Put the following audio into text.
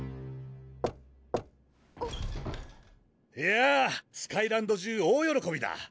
いやぁスカイランド中大よろこびだ